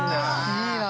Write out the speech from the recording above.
いいな。